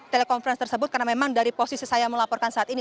telekonferensi tersebut karena memang dari posisi saya melaporkan saat ini